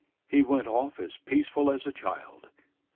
"He went off as peaceful as a child."